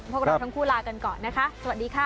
พวกเราทั้งคู่ลากันก่อนนะคะสวัสดีค่ะ